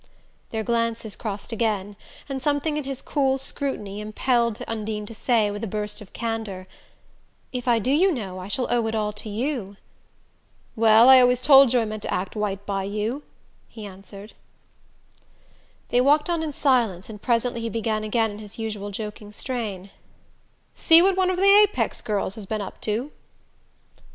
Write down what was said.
Their glances crossed again, and something in his cool scrutiny impelled Undine to say, with a burst of candour: "If I do, you know, I shall owe it all to you!" "Well, I always told you I meant to act white by you," he answered. They walked on in silence, and presently he began again in his usual joking strain: "See what one of the Apex girls has been up to?"